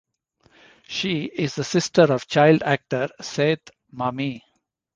She is the sister of child actor Seth Mumy.